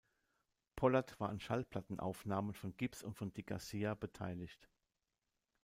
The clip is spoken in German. Pollard war an Schallplatten-Aufnahmen von Gibbs und von Dick Garcia beteiligt.